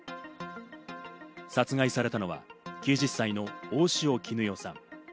殺害されたのは９０歳の大塩衣与さん。